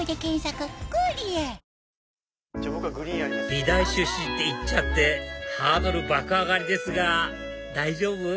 美大出身って言っちゃってハードル爆上がりですが大丈夫？